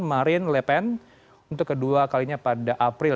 marine le pen untuk kedua kalinya pada april dua ribu dua puluh dua